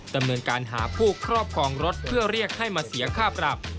ดำเนินการหาผู้ครอบครองรถเพื่อเรียกให้มาเสียค่าปรับ